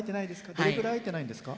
どれぐらい会えてないですか？